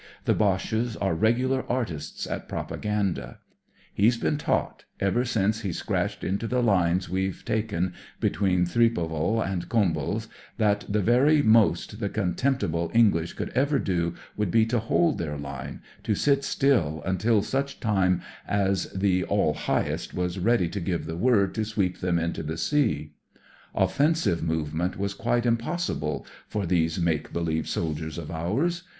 The Boches are regular artists at propaganda. He's been taught, ever since he scratched into the Unes we've taken between Thi^pval and Combles, that the very most the con temptible Enghsh could ever do would be to hold their line, to sit still, until such time as the All Highest was leady to give the word to sweep them into the sea. j..;,/!^' ' 44 THE MORAL OF THE BOCHE Offensive movement was quite impossible for these make believe soldiers of ours.